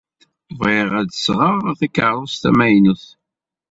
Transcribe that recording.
Bɣiɣ ad d-sɣeɣ takeṛṛust tamaynut.